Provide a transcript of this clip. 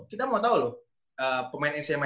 kita mau tahu loh pemain sma